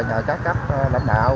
nhờ các cấp lãnh đạo